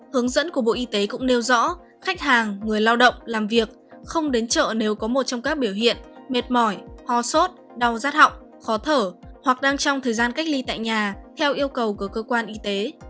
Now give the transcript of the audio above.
hướng dẫn của bộ y tế cũng nêu rõ khách hàng người lao động làm việc không đến chợ nếu có một trong các biểu hiện mệt mỏi ho sốt đau rắt họng khó thở hoặc đang trong thời gian cách ly tại nhà theo yêu cầu của cơ quan y tế